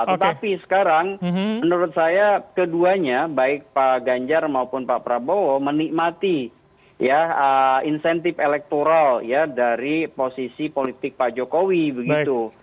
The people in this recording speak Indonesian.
tetapi sekarang menurut saya keduanya baik pak ganjar maupun pak prabowo menikmati ya insentif elektoral ya dari posisi politik pak jokowi begitu